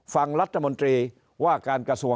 ฟังรัฐมนตรีว่าการกระทรวง